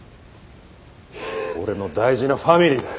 俺の大事なファミリーだよ。